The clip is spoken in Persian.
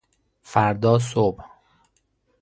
فردا صبح